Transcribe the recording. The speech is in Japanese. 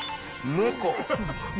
猫。